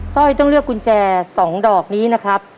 สร้อยต้องเลือกกุญแจ๒ดอกนี้นะครับ